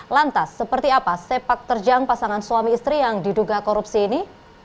lantas seperti apa sepak terjang pasangan suami istri yang diduga korupsi ini